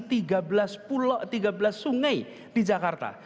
tiga belas pulau tiga belas sungai di jakarta